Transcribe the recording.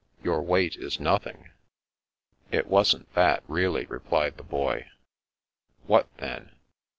Your weight is nothing." " It wasn't that, really," replied the Boy. "What, then?"